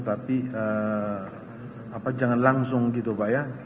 tapi jangan langsung gitu pak ya